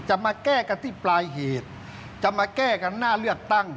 มาแก้กันที่ปลายเหตุจะมาแก้กันหน้าเลือกตั้ง